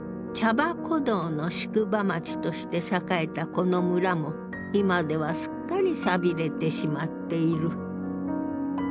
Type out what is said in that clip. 馬古道の宿場町として栄えたこの村も今ではすっかり寂れてしまっている。